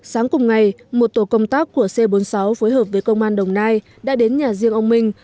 sáng cùng ngày một tổ công tác của c bốn mươi sáu phối hợp với công an đồng nai đã đến nhà riêng ông minh